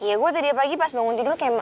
iya gua tadi pagi pas bangun tidur